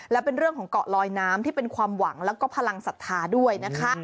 และเป็นเรื่องของเกาะลอยน้ำที่เป็นความหวังแล้วก็พลังศรัทธาด้วยนะคะ